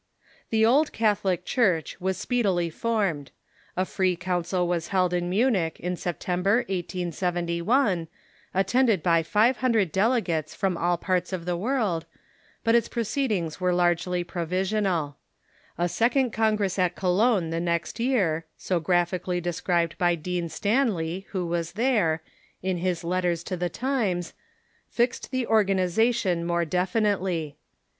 The Old Catholic Church was speedily formed. A free council was held at Munich in September, 1871, attended by Organization ^^'^ hundred delegates from all parts of the world, of the but its proceedings were largely provisional. A sec Dissentients 1 i r^i 1 ii i T, ond congress at Cologne the next year, so graphi cally described by Dean Stanley (who was there) in his letters to the Times, fixed the organization more definitely.